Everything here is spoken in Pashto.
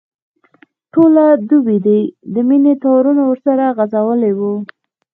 ټوله دوبي دي د مینې تارونه ورسره غځولي وو.